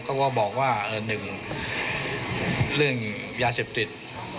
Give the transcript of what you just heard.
เขาก็บอกว่าหนึ่งเรื่องยาเสพติด